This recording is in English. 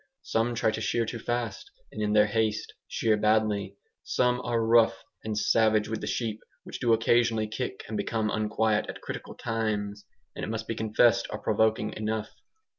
Some try to shear too fast, and in their haste shear badly. Some are rough and savage with the sheep, which do occasionally kick and become unquiet at critical times; and it must be confessed are provoking enough.